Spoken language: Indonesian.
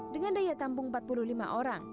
dengan daya tampung empat puluh lima orang